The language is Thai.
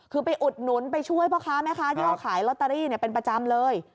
คือไปอุดหนุนไปช่วยพ่อค้าแม่ค้าที่เขาขายลอตเตอรี่เป็นประจำเลย